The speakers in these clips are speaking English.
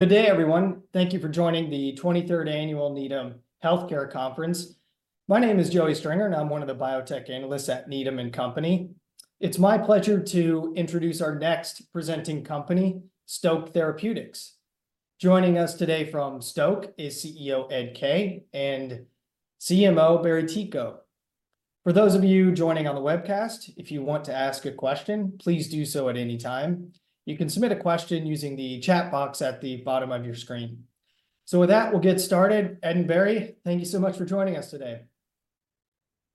Good day, everyone. Thank you for joining the 23rd annual Needham Healthcare Conference. My name is Joey Stringer, and I'm one of the biotech analysts at Needham & Company. It's my pleasure to introduce our next presenting company, Stoke Therapeutics. Joining us today from Stoke is CEO Ed Kaye and CMO Barry Ticho. For those of you joining on the webcast, if you want to ask a question, please do so at any time. You can submit a question using the chat box at the bottom of your screen. So with that, we'll get started. Ed and Barry, thank you so much for joining us today.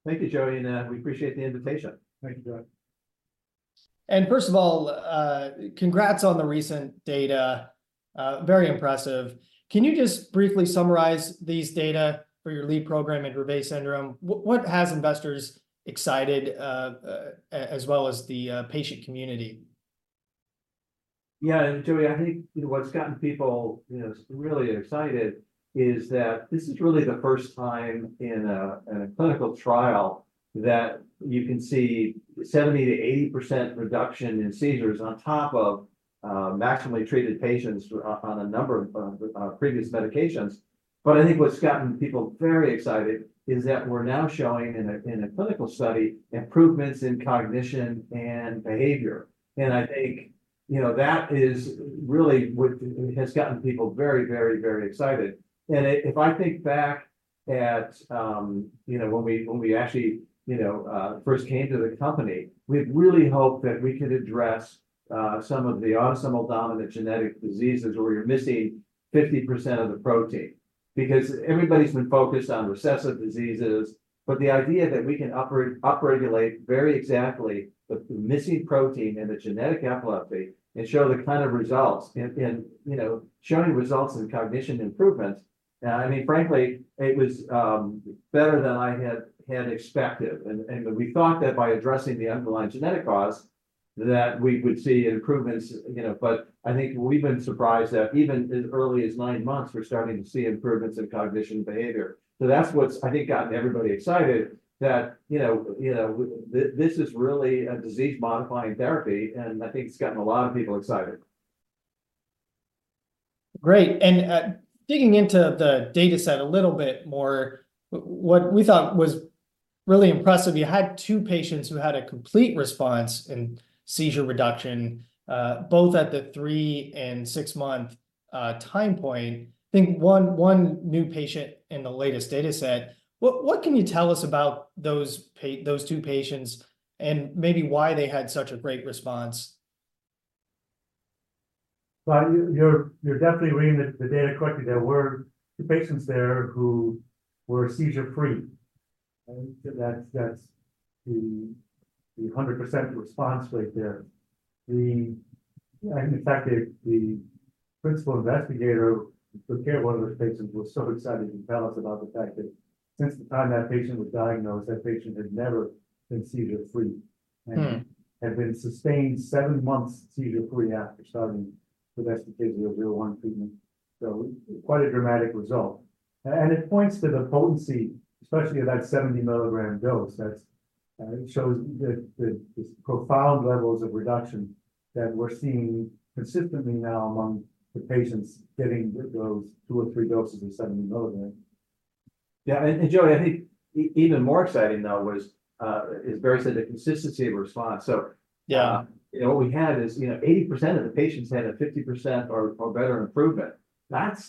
Thank you, Joey, and we appreciate the invitation. Thank you, Joe. First of all, congrats on the recent data. Very impressive. Can you just briefly summarize these data for your lead program at Dravet syndrome? What has investors excited as well as the patient community? Yeah, Joey, I think what's gotten people really excited is that this is really the first time in a clinical trial that you can see 70%-80% reduction in seizures on top of maximally treated patients on a number of previous medications. But I think what's gotten people very excited is that we're now showing in a clinical study improvements in cognition and behavior. And I think that is really what has gotten people very, very, very excited. And if I think back at when we actually first came to the company, we had really hoped that we could address some of the autosomal dominant genetic diseases where you're missing 50% of the protein. Because everybody's been focused on recessive diseases. The idea that we can upregulate very exactly the missing protein and the genetic epilepsy and show the kind of results in showing results in cognition improvements, I mean, frankly, it was better than I had expected. We thought that by addressing the underlying genetic cause, that we would see improvements. I think we've been surprised that even as early as nine months, we're starting to see improvements in cognition and behavior. That's what's, I think, gotten everybody excited, that this is really a disease-modifying therapy. I think it's gotten a lot of people excited. Great. And digging into the dataset a little bit more, what we thought was really impressive, you had two patients who had a complete response in seizure reduction, both at the three- and six-month time point. I think one new patient in the latest dataset. What can you tell us about those two patients and maybe why they had such a great response? Well, you're definitely reading the data correctly there. There were two patients there who were seizure-free. That's the 100% response rate there. In fact, the principal investigator who took care of one of those patients was so excited to tell us about the fact that since the time that patient was diagnosed, that patient had never been seizure-free and had been sustained seven months seizure-free after starting the STK-001 treatment. So quite a dramatic result. And it points to the potency, especially of that 70 milligram dose. It shows the profound levels of reduction that we're seeing consistently now among the patients getting those two or three doses of 70 milligram. Yeah. And Joey, I think even more exciting, though, is, Barry said, the consistency of response. So what we had is 80% of the patients had a 50% or better improvement. That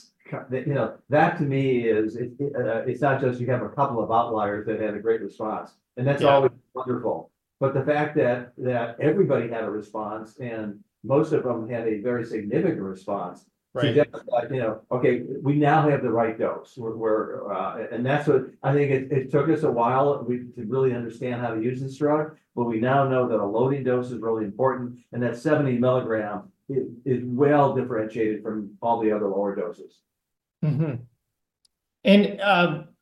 to me is it's not just you have a couple of outliers that had a great response. And that's always wonderful. But the fact that everybody had a response and most of them had a very significant response suggests that, okay, we now have the right dose. And that's what I think it took us a while to really understand how to use this drug. But we now know that a loading dose is really important and that 70 milligram is well differentiated from all the other lower doses.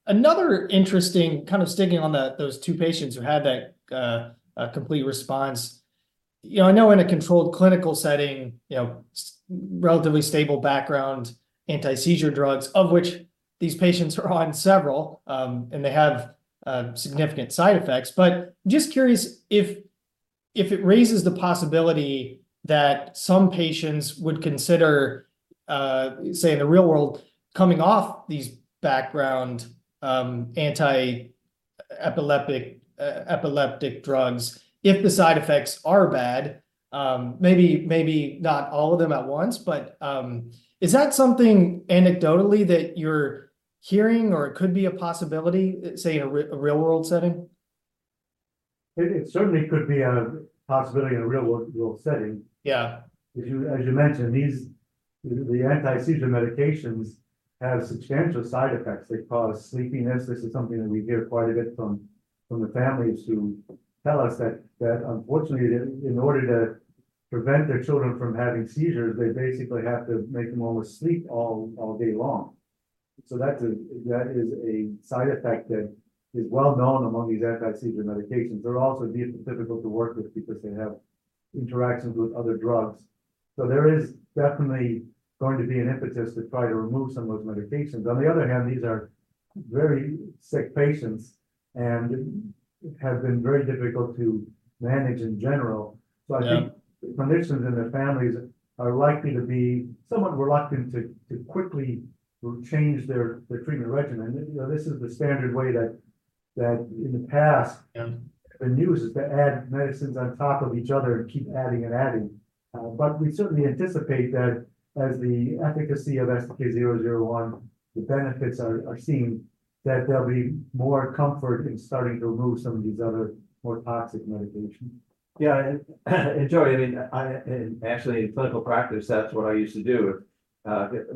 Another interesting kind of sticking on those two patients who had that complete response. I know in a controlled clinical setting, relatively stable background anti-seizure drugs, of which these patients are on several, and they have significant side effects. But just curious if it raises the possibility that some patients would consider, say, in the real world, coming off these background anti-epileptic drugs if the side effects are bad, maybe not all of them at once. But is that something anecdotally that you're hearing or it could be a possibility, say, in a real-world setting? It certainly could be a possibility in a real-world setting. As you mentioned, the anti-seizure medications have substantial side effects. They cause sleepiness. This is something that we hear quite a bit from the families who tell us that, unfortunately, in order to prevent their children from having seizures, they basically have to make them almost sleep all day long. So that is a side effect that is well known among these anti-seizure medications. They're also difficult to work with because they have interactions with other drugs. So there is definitely going to be an impetus to try to remove some of those medications. On the other hand, these are very sick patients and have been very difficult to manage in general. So I think the clinicians and their families are likely to be somewhat reluctant to quickly change their treatment regimen. This is the standard way that in the past, the norm is to add medicines on top of each other and keep adding and adding. But we certainly anticipate that as the efficacy of STK-001, the benefits are seen, that there'll be more comfort in starting to remove some of these other more toxic medications. Yeah. And Joey, I mean, actually, in clinical practice, that's what I used to do.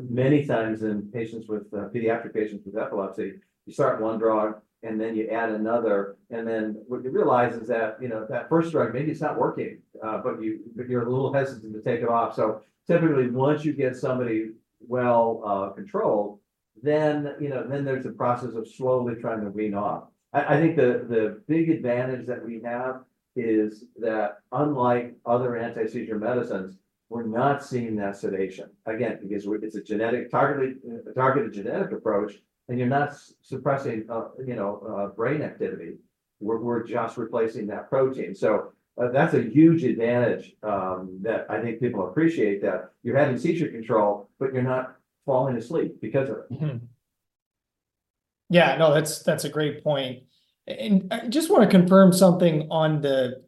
Many times in patients with pediatric patients with epilepsy, you start one drug and then you add another. And then what you realize is that that first drug, maybe it's not working, but you're a little hesitant to take it off. So typically, once you get somebody well controlled, then there's a process of slowly trying to wean off. I think the big advantage that we have is that unlike other anti-seizure medicines, we're not seeing that sedation. Again, because it's a targeted genetic approach and you're not suppressing brain activity. We're just replacing that protein. So that's a huge advantage that I think people appreciate, that you're having seizure control, but you're not falling asleep because of it. Yeah. No, that's a great point. And I just want to confirm something on the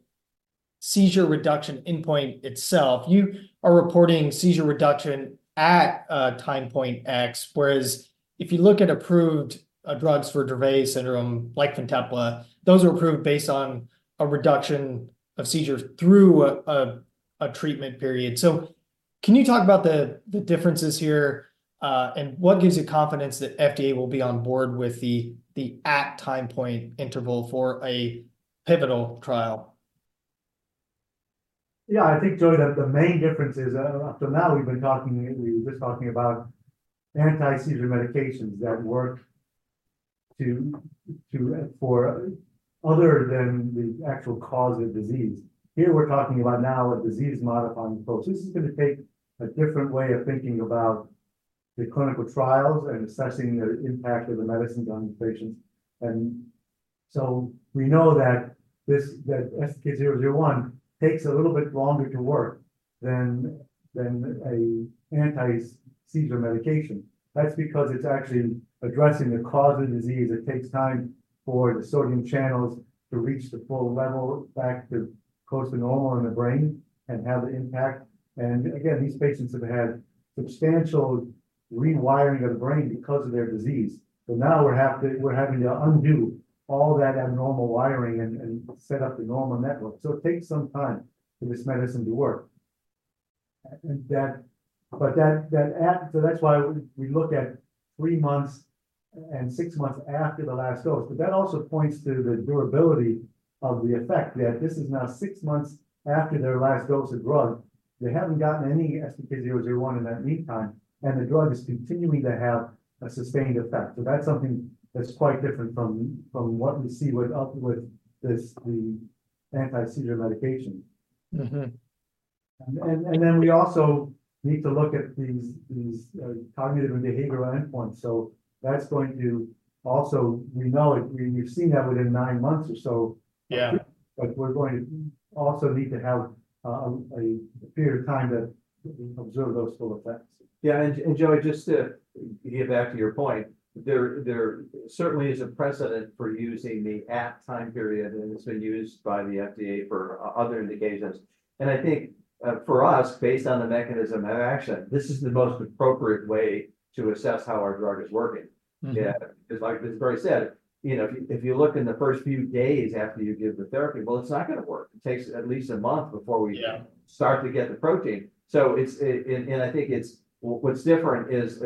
seizure reduction endpoint itself. You are reporting seizure reduction at time point X, whereas if you look at approved drugs for Dravet syndrome, like Fintepla, those are approved based on a reduction of seizures through a treatment period. So can you talk about the differences here? And what gives you confidence that FDA will be on board with the at-time point interval for a pivotal trial? Yeah. I think, Joey, that the main difference is that up to now, we've been talking about anti-seizure medications that work other than for the actual cause of disease. Here, we're now talking about a disease-modifying approach. This is going to take a different way of thinking about the clinical trials and assessing the impact of the medicines on the patients. And so we know that STK-001 takes a little bit longer to work than an anti-seizure medication. That's because it's actually addressing the cause of disease. It takes time for the sodium channels to reach the full level back to close to normal in the brain and have the impact. And again, these patients have had substantial rewiring of the brain because of their disease. So now we're having to undo all that abnormal wiring and set up the normal network. So it takes some time for this medicine to work. But so that's why we look at three months and six months after the last dose. But that also points to the durability of the effect, that this is now six months after their last dose of drug. They haven't gotten any STK-001 in that meantime. And the drug is continuing to have a sustained effect. So that's something that's quite different from what we see with the anti-seizure medication. And then we also need to look at these cognitive and behavioral endpoints. So that's going to also we know we've seen that within nine months or so. But we're going to also need to have a period of time to observe those full effects. Yeah. Joey, just to get back to your point, there certainly is a precedent for using the at-time period. It's been used by the FDA for other indications. I think for us, based on the mechanism of action, this is the most appropriate way to assess how our drug is working. Because like Barry said, if you look in the first few days after you give the therapy, well, it's not going to work. It takes at least a month before we start to get the protein. I think what's different is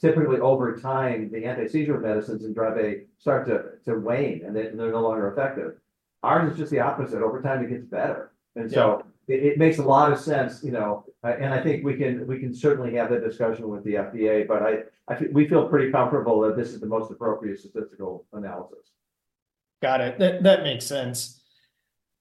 typically over time, the anti-seizure medicines in Dravet start to wane, and they're no longer effective. Ours is just the opposite. Over time, it gets better. So it makes a lot of sense. I think we can certainly have that discussion with the FDA. We feel pretty comfortable that this is the most appropriate statistical analysis. Got it. That makes sense.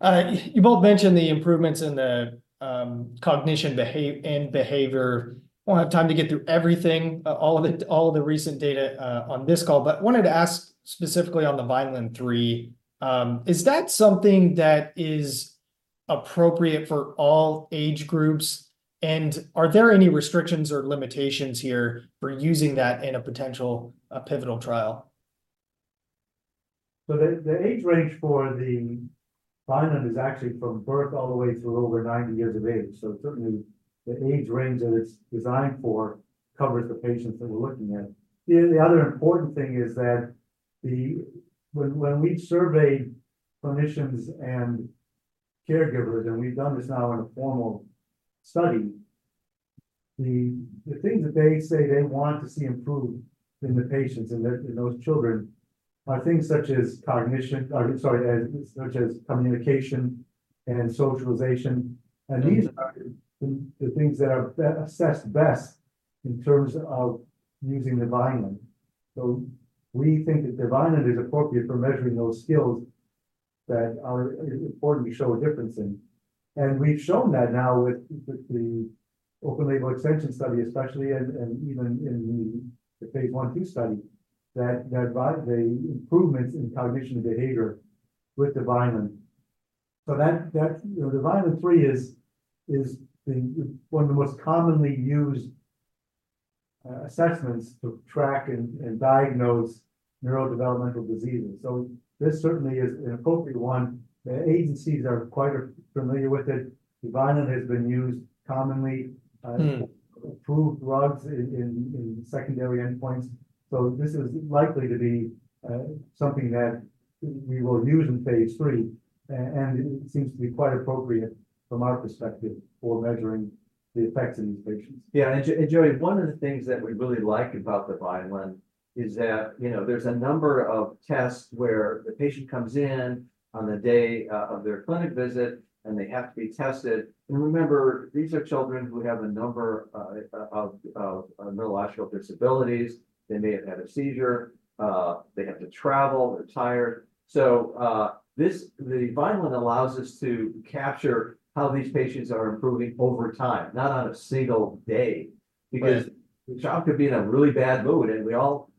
You both mentioned the improvements in the cognition and behavior. We won't have time to get through everything, all of the recent data on this call. But I wanted to ask specifically on the Vineland-3. Is that something that is appropriate for all age groups? And are there any restrictions or limitations here for using that in a potential pivotal trial? So the age range for the Vineland is actually from birth all the way through over 90 years of age. So certainly, the age range that it's designed for covers the patients that we're looking at. The other important thing is that when we surveyed clinicians and caregivers, and we've done this now in a formal study, the things that they say they want to see improved in the patients and those children are things such as cognition, sorry, such as communication and socialization. And these are the things that are assessed best in terms of using the Vineland. So we think that the Vineland is appropriate for measuring those skills that are important to show a difference in. And we've shown that now with the open-label extension study, especially, and even in the phase I/II study, the improvements in cognition and behavior with the Vineland. The Vineland-3 is one of the most commonly used assessments to track and diagnose neurodevelopmental diseases. This certainly is an appropriate one. The agencies are quite familiar with it. The Vineland-3 has been used commonly. Approved drugs in secondary endpoints. This is likely to be something that we will use in phase III. It seems to be quite appropriate from our perspective for measuring the effects in these patients. Yeah. And Joey, one of the things that we really like about the Vineland is that there's a number of tests where the patient comes in on the day of their clinic visit, and they have to be tested. And remember, these are children who have a number of neurological disabilities. They may have had a seizure. They have to travel. They're tired. So the Vineland allows us to capture how these patients are improving over time, not on a single day. Because the child could be in a really bad mood, and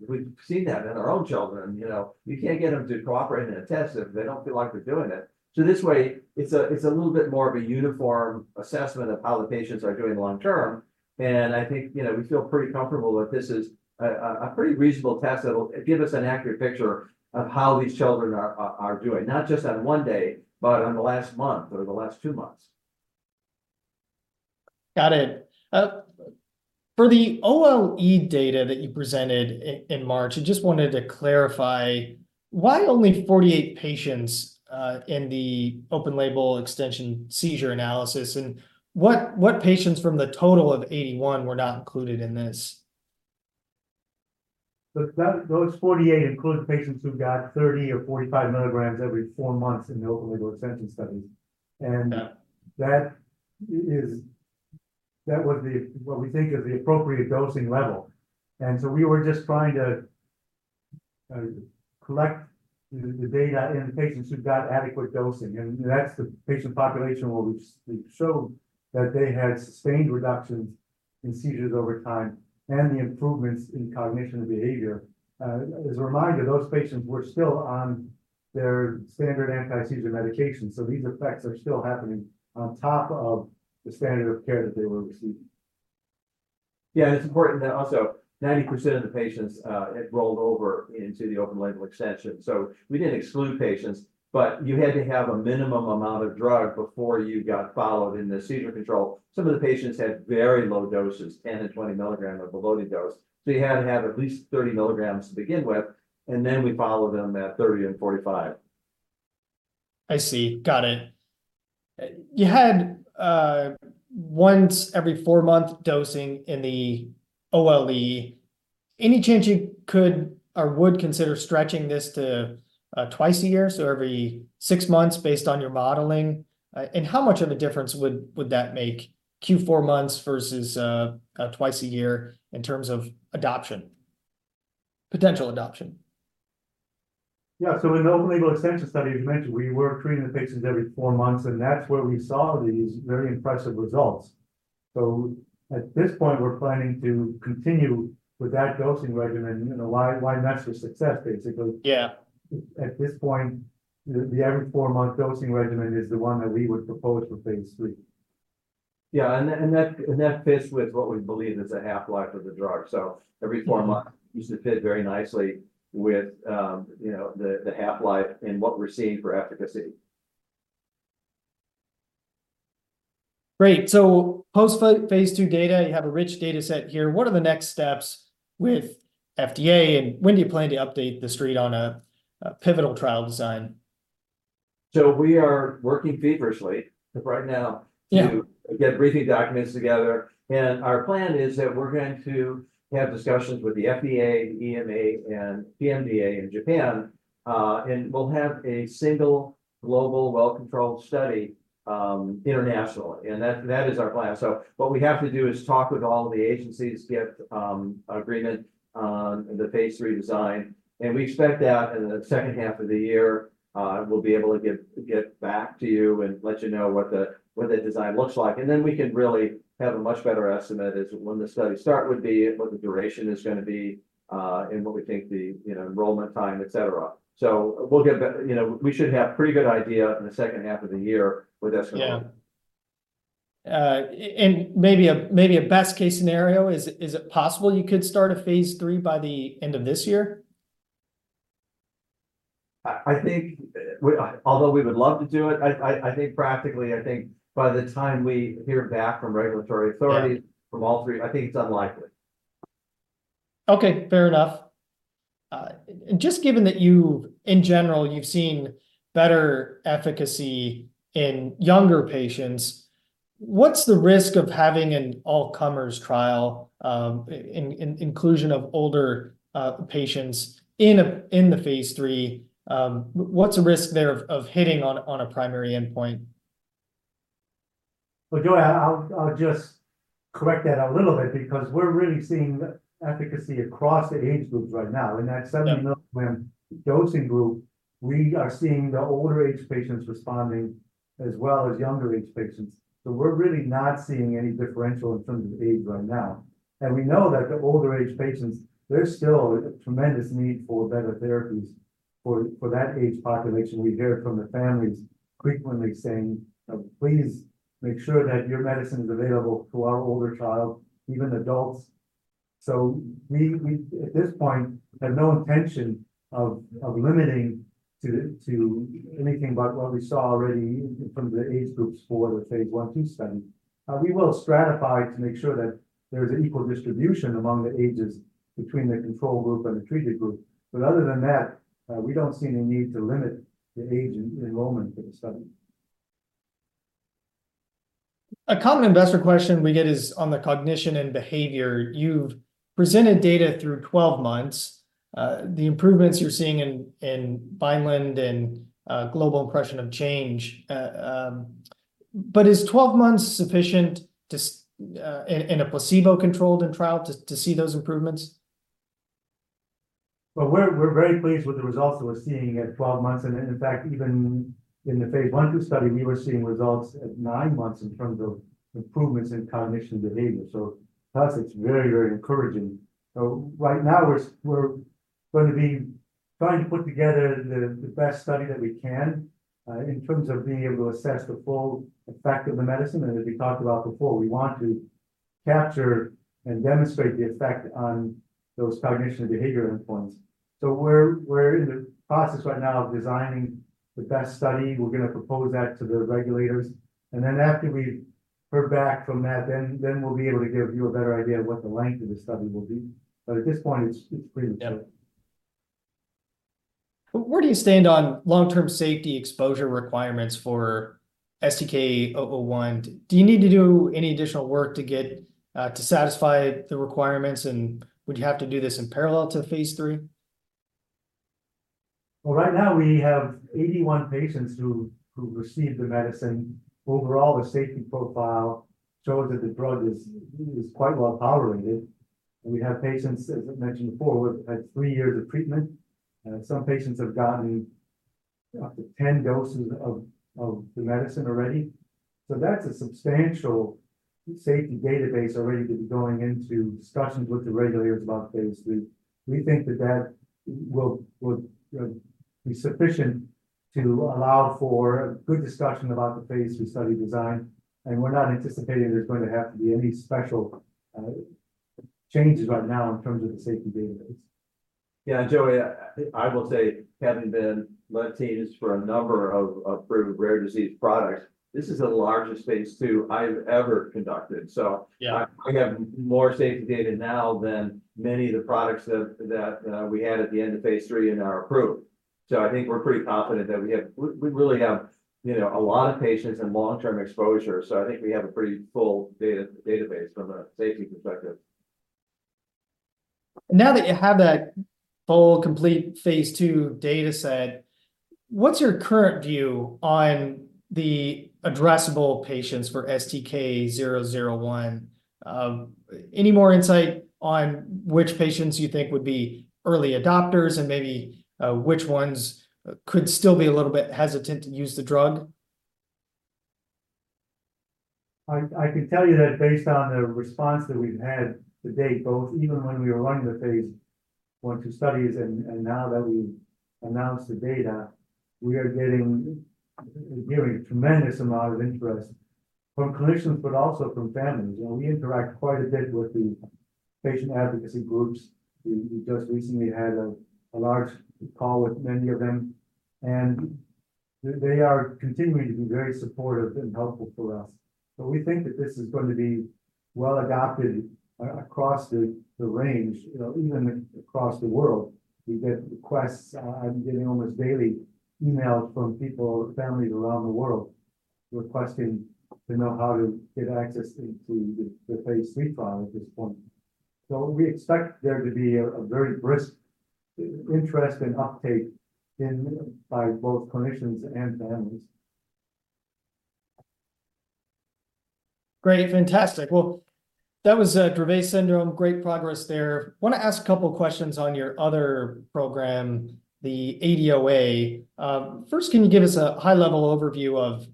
we've seen that in our own children. You can't get them to cooperate in a test if they don't feel like they're doing it. So this way, it's a little bit more of a uniform assessment of how the patients are doing long term. I think we feel pretty comfortable that this is a pretty reasonable test that'll give us an accurate picture of how these children are doing, not just on one day, but on the last month or the last two months. Got it. For the OLE data that you presented in March, I just wanted to clarify why only 48 patients in the Open Label Extension seizure analysis, and what patients from the total of 81 were not included in this? Those 48 include patients who got 30 or 45 milligrams every four months in the open-label extension studies. That was what we think is the appropriate dosing level. So we were just trying to collect the data in the patients who got adequate dosing. That's the patient population where we've shown that they had sustained reductions in seizures over time and the improvements in cognition and behavior. As a reminder, those patients were still on their standard anti-seizure medications. These effects are still happening on top of the standard of care that they were receiving. Yeah. It's important that also 90% of the patients had rolled over into the Open-Label Extension. We didn't exclude patients, but you had to have a minimum amount of drug before you got followed in the seizure control. Some of the patients had very low doses, 10 and 20 milligrams of a loading dose. You had to have at least 30 milligrams to begin with. Then we followed them at 30 and 45. I see. Got it. You had once every four-month dosing in the OLE. Any chance you could or would consider stretching this to twice a year, so every six months based on your modeling? And how much of a difference would that make, Q4 months versus twice a year, in terms of adoption, potential adoption? Yeah. So in the Open Label Extension study, as you mentioned, we were treating the patients every four months. And that's where we saw these very impressive results. So at this point, we're planning to continue with that dosing regimen. Why not for success, basically? At this point, the every four-month dosing regimen is the one that we would propose for phase III. Yeah. That fits with what we believe is the half-life of the drug. Every four months used to fit very nicely with the half-life and what we're seeing for efficacy. Great. So post-phase II data, you have a rich dataset here. What are the next steps with FDA? And when do you plan to update the Street on a pivotal trial design? So we are working feverishly right now to get briefing documents together. And our plan is that we're going to have discussions with the FDA, the EMA, and PMDA in Japan. And we'll have a single global well-controlled study internationally. And that is our plan. So what we have to do is talk with all of the agencies, get an agreement on the phase III design. And we expect that in the second half of the year, we'll be able to get back to you and let you know what that design looks like. And then we can really have a much better estimate as when the studies start would be, what the duration is going to be, and what we think the enrollment time, etc. So we should have a pretty good idea in the second half of the year with estimates. Yeah. Maybe a best-case scenario, is it possible you could start a phase III by the end of this year? Although we would love to do it, I think practically, I think by the time we hear back from regulatory authorities from all three, I think it's unlikely. Okay. Fair enough. And just given that, in general, you've seen better efficacy in younger patients, what's the risk of having an all-comers trial, inclusion of older patients in the phase III? What's the risk there of hitting on a primary endpoint? Well, Joey, I'll just correct that a little bit because we're really seeing efficacy across the age groups right now. In that 70 milligram dosing group, we are seeing the older-age patients responding as well as younger-age patients. So we're really not seeing any differential in terms of age right now. And we know that the older-age patients, there's still a tremendous need for better therapies for that age population. We hear from the families frequently saying, "Please make sure that your medicine is available to our older child, even adults." So we, at this point, have no intention of limiting to anything but what we saw already from the age groups for the phase I/II study. We will stratify to make sure that there's an equal distribution among the ages between the control group and the treated group. Other than that, we don't see any need to limit the age enrollment for the study. A common investor question we get is on the cognition and behavior. You've presented data through 12 months, the improvements you're seeing in Vineland and Global Impression of Change. But is 12 months sufficient in a placebo-controlled trial to see those improvements? Well, we're very pleased with the results that we're seeing at 12 months. In fact, even in the phase I/II study, we were seeing results at nine months in terms of improvements in cognition and behavior. So to us, it's very, very encouraging. Right now, we're going to be trying to put together the best study that we can in terms of being able to assess the full effect of the medicine. As we talked about before, we want to capture and demonstrate the effect on those cognition and behavior endpoints. So we're in the process right now of designing the best study. We're going to propose that to the regulators. Then after we've heard back from that, then we'll be able to give you a better idea of what the length of the study will be. But at this point, it's pretty much it. Where do you stand on long-term safety exposure requirements for STK-001? Do you need to do any additional work to satisfy the requirements? Would you have to do this in parallel to phase 3? Well, right now, we have 81 patients who received the medicine. Overall, the safety profile shows that the drug is quite well tolerated. We have patients, as I mentioned before, who have had three years of treatment. Some patients have gotten up to 10 doses of the medicine already. So that's a substantial safety database already to be going into discussions with the regulators about phase 3. We think that that will be sufficient to allow for a good discussion about the phase 3 study design. We're not anticipating there's going to have to be any special changes right now in terms of the safety database. Yeah. Joey, I will say, having been team lead for a number of approved rare disease products, this is the largest phase II I've ever conducted. So I have more safety data now than many of the products that we had at the end of phase III and are approved. So I think we're pretty confident that we really have a lot of patients and long-term exposure. So I think we have a pretty full database from a safety perspective. Now that you have that full, complete phase II dataset, what's your current view on the addressable patients for STK-001? Any more insight on which patients you think would be early adopters and maybe which ones could still be a little bit hesitant to use the drug? I can tell you that based on the response that we've had to date, both even when we were running the phase I/II studies and now that we've announced the data, we are getting a tremendous amount of interest from clinicians, but also from families. We interact quite a bit with the patient advocacy groups. We just recently had a large call with many of them. They are continuing to be very supportive and helpful for us. We think that this is going to be well adopted across the range, even across the world. We get requests. I'm getting almost daily emails from people, families around the world requesting to know how to get access into the phase 3 trial at this point. We expect there to be a very brisk interest and uptake by both clinicians and families. Great. Fantastic. Well, that was Dravet Syndrome. Great progress there. I want to ask a couple of questions on your other program, the ADOA. First, can you give us a high-level overview of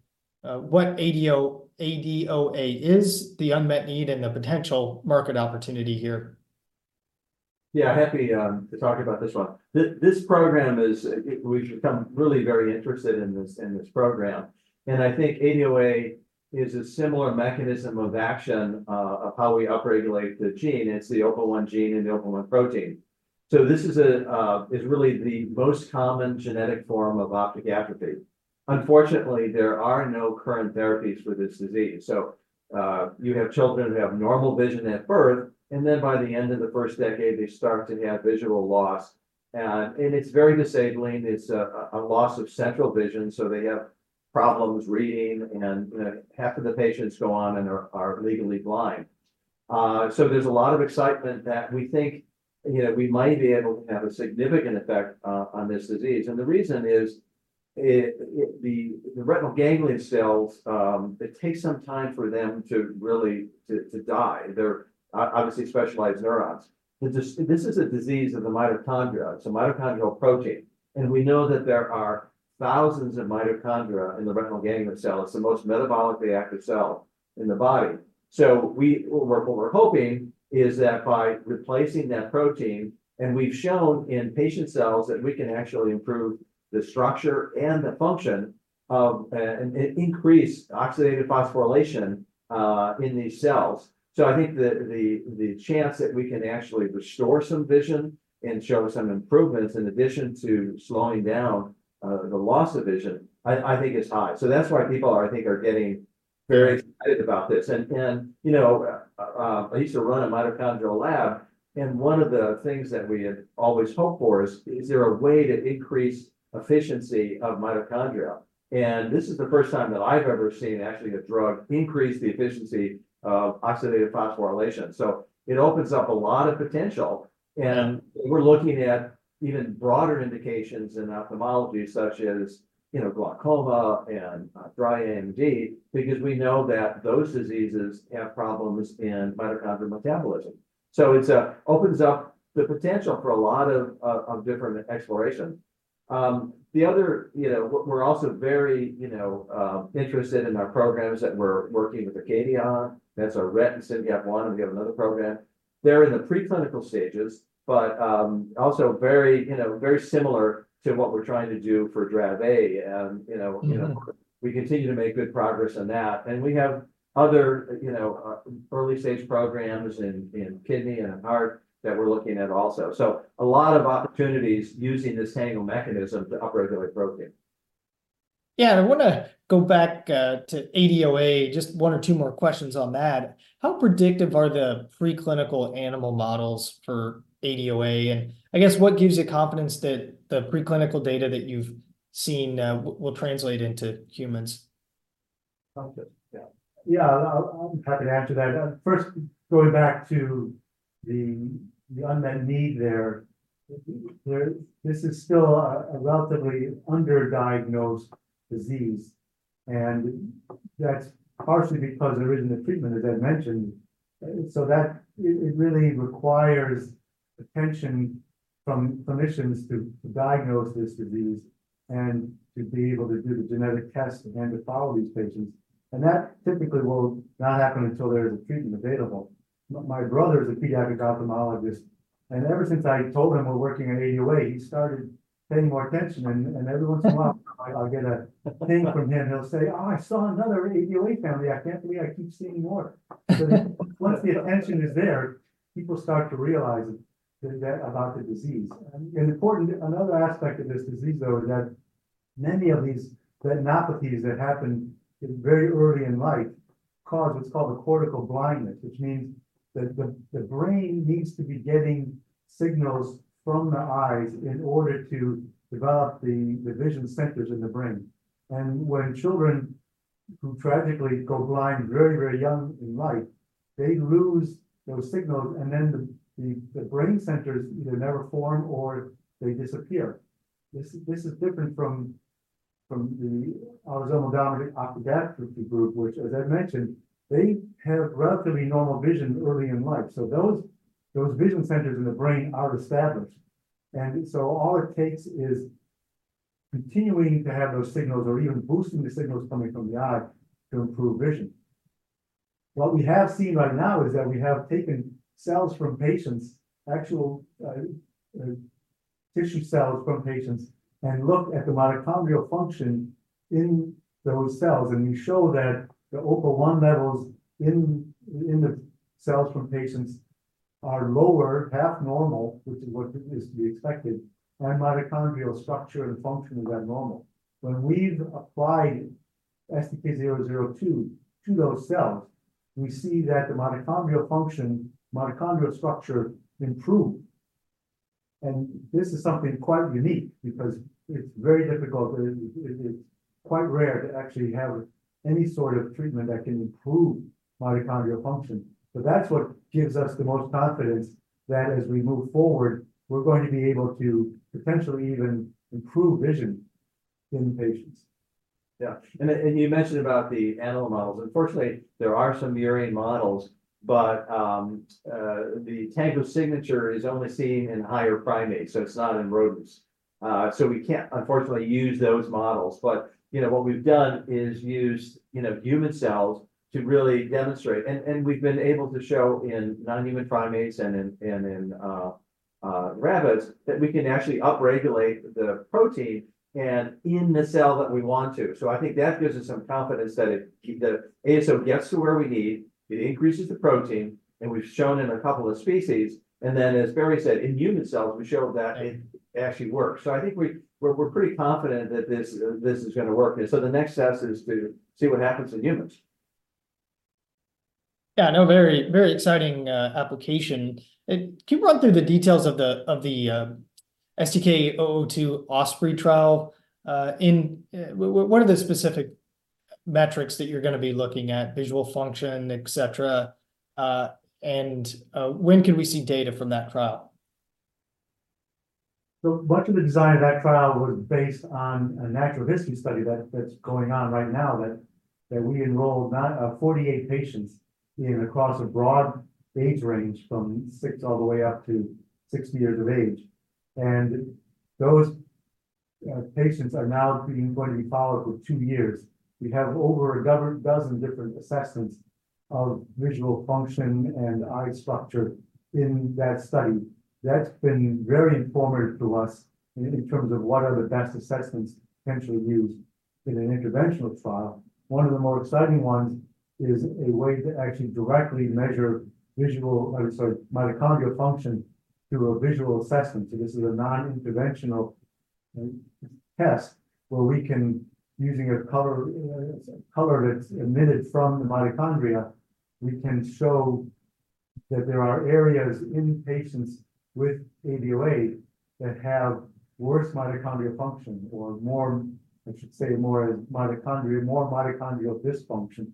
what ADOA is, the unmet need, and the potential market opportunity here? Yeah. Happy to talk about this one. We've become really very interested in this program. I think ADOA is a similar mechanism of action of how we upregulate the gene. It's the OPA1 gene and the OPA1 protein. So this is really the most common genetic form of optic atrophy. Unfortunately, there are no current therapies for this disease. So you have children who have normal vision at birth, and then by the end of the first decade, they start to have visual loss. And it's very disabling. It's a loss of central vision. So they have problems reading. And half of the patients go on and are legally blind. So there's a lot of excitement that we think we might be able to have a significant effect on this disease. And the reason is the retinal ganglion cells, it takes some time for them to really die. They're obviously specialized neurons. This is a disease of the mitochondria. It's a mitochondrial protein. And we know that there are thousands of mitochondria in the retinal ganglion cell. It's the most metabolically active cell in the body. So what we're hoping is that by replacing that protein and we've shown in patient cells that we can actually improve the structure and the function of and increase oxidative phosphorylation in these cells. So I think the chance that we can actually restore some vision and show some improvements in addition to slowing down the loss of vision, I think, is high. So that's why people, I think, are getting very excited about this. And I used to run a mitochondrial lab. And one of the things that we had always hoped for is, is there a way to increase efficiency of mitochondria? This is the first time that I've ever seen actually a drug increase the efficiency of oxidative phosphorylation. So it opens up a lot of potential. We're looking at even broader indications in ophthalmology such as glaucoma and dry AMD because we know that those diseases have problems in mitochondrial metabolism. So it opens up the potential for a lot of different exploration. The other, we're also very interested in our programs that we're working with Acadia on. That's our Rett and SYNGAP1. And we have another program. They're in the preclinical stages, but also very similar to what we're trying to do for Dravet. And we continue to make good progress on that. And we have other early-stage programs in kidney and heart that we're looking at also. So a lot of opportunities using this TANGO mechanism to upregulate protein. Yeah. I want to go back to ADOA. Just one or two more questions on that. How predictive are the preclinical animal models for ADOA? I guess what gives you confidence that the preclinical data that you've seen will translate into humans? Yeah. Yeah. I'm happy to answer that. First, going back to the unmet need there, this is still a relatively underdiagnosed disease. That's partially because there isn't a treatment, as I mentioned. It really requires attention from clinicians to diagnose this disease and to be able to do the genetic test and to follow these patients. That typically will not happen until there is a treatment available. My brother is a pediatric ophthalmologist. Ever since I told him we're working on ADOA, he started paying more attention. Every once in a while, I'll get a thing from him. He'll say, "Oh, I saw another ADOA family. I can't believe I keep seeing more." Once the attention is there, people start to realize it about the disease. Another aspect of this disease, though, is that many of these retinopathies that happen very early in life cause what's called a cortical blindness, which means that the brain needs to be getting signals from the eyes in order to develop the vision centers in the brain. When children who tragically go blind very, very young in life, they lose those signals. Then the brain centers either never form or they disappear. This is different from the autosomal dominant optic atrophy, which, as I mentioned, they have relatively normal vision early in life. Those vision centers in the brain are established. So all it takes is continuing to have those signals or even boosting the signals coming from the eye to improve vision. What we have seen right now is that we have taken cells from patients, actual tissue cells from patients, and looked at the mitochondrial function in those cells. We show that the OPA1 levels in the cells from patients are lower, half normal, which is what is to be expected. Mitochondrial structure and function is abnormal. When we've applied STK-002 to those cells, we see that the mitochondrial function, mitochondrial structure improved. This is something quite unique because it's very difficult. It's quite rare to actually have any sort of treatment that can improve mitochondrial function. But that's what gives us the most confidence that as we move forward, we're going to be able to potentially even improve vision in patients. Yeah. And you mentioned about the animal models. Unfortunately, there are some murine models, but the TANGO signature is only seen in higher primates. So it's not in rodents. So we can't, unfortunately, use those models. But what we've done is used human cells to really demonstrate. And we've been able to show in non-human primates and in rabbits that we can actually upregulate the protein in the cell that we want to. So I think that gives us some confidence that the ASO gets to where we need. It increases the protein. And we've shown in a couple of species. And then, as Barry said, in human cells, we showed that it actually works. So I think we're pretty confident that this is going to work. And so the next test is to see what happens in humans. Yeah. No, very, very exciting application. Can you run through the details of the STK-002 OSPREY trial? What are the specific metrics that you're going to be looking at, visual function, etc.? And when can we see data from that trial? So much of the design of that trial was based on a natural history study that's going on right now that we enrolled 48 patients across a broad age range from 6 all the way up to 60 years of age. And those patients are now going to be followed for two years. We have over a dozen different assessments of visual function and eye structure in that study. That's been very informative to us in terms of what are the best assessments potentially used in an interventional trial. One of the more exciting ones is a way to actually directly measure visual—I'm sorry—mitochondrial function through a visual assessment. So this is a non-interventional test where we can, using a color that's emitted from the mitochondria, show that there are areas in patients with ADOA that have worse mitochondrial function or more, I should say, more mitochondrial dysfunction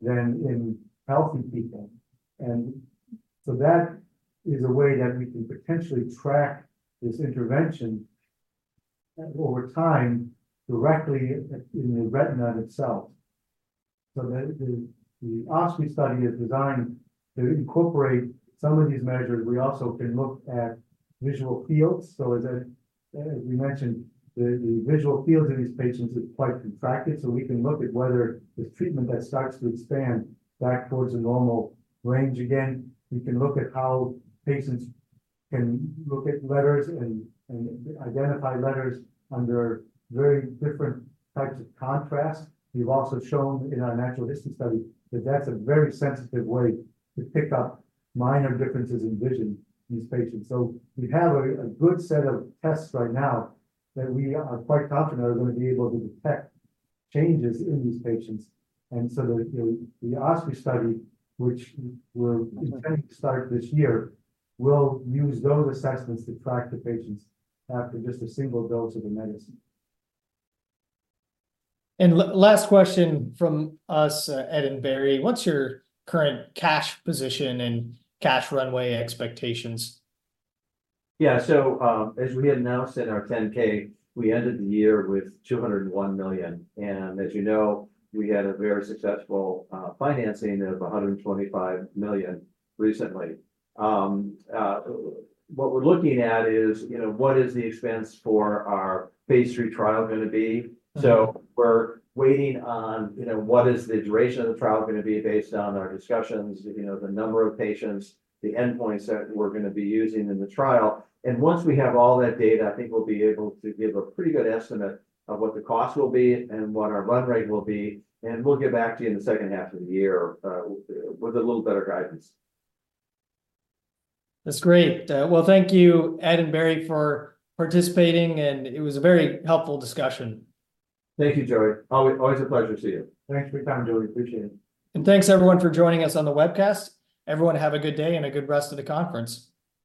than in healthy people. So that is a way that we can potentially track this intervention over time directly in the retina itself. So the OSPREY study is designed to incorporate some of these measures. We also can look at visual fields. So, as we mentioned, the visual fields of these patients are quite contracted. So we can look at whether this treatment that starts to expand back towards a normal range. Again, we can look at how patients can look at letters and identify letters under very different types of contrast. We've also shown in our natural history study that that's a very sensitive way to pick up minor differences in vision in these patients. So we have a good set of tests right now that we are quite confident are going to be able to detect changes in these patients. And so the OSPREY study, which we're intending to start this year, will use those assessments to track the patients after just a single dose of the medicine. Last question from us, Ed and Barry. What's your current cash position and cash runway expectations? Yeah. So, as we announced in our 10-K, we ended the year with $201 million. And as you know, we had a very successful financing of $125 million recently. What we're looking at is, what is the expense for our phase III trial going to be? So we're waiting on what is the duration of the trial going to be based on our discussions, the number of patients, the endpoints that we're going to be using in the trial. And once we have all that data, I think we'll be able to give a pretty good estimate of what the cost will be and what our run rate will be. And we'll get back to you in the second half of the year with a little better guidance. That's great. Well, thank you, Ed and Barry, for participating. And it was a very helpful discussion. Thank you, Joey. Always a pleasure to see you. Thanks for your time, Joey. Appreciate it. Thanks, everyone, for joining us on the webcast. Everyone, have a good day and a good rest of the conference.